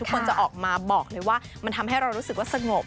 คนจะออกมาบอกเลยว่ามันทำให้เรารู้สึกว่าสงบ